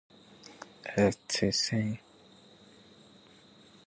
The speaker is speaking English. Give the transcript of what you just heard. It also has a small office for hire with Internet and telephone options.